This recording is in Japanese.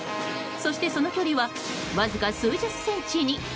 そして、その距離はわずか数十センチに。